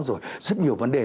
rồi rất nhiều vấn đề